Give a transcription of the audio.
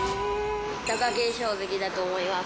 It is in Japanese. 貴景勝関だと思います。